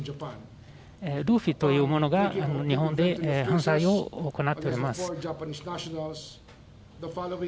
ルフィというものが日本で犯罪を行っております。